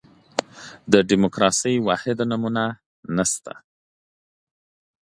دیموکراسي واحده نمونه نه شته.